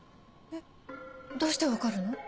えっどうして分かるの？